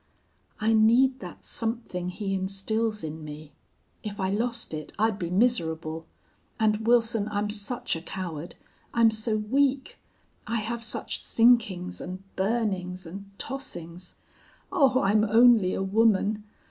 I need that something he instils in me. If I lost it I'd be miserable. And, Wilson, I'm such a coward. I'm so weak. I have such sinkings and burnings and tossings. Oh, I'm only a woman!